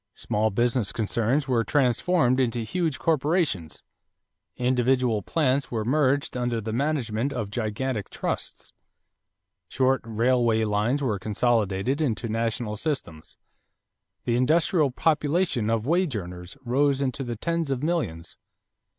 Small business concerns were transformed into huge corporations. Individual plants were merged under the management of gigantic trusts. Short railway lines were consolidated into national systems. The industrial population of wage earners rose into the tens of millions.